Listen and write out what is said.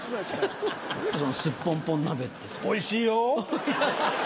おいしいよ！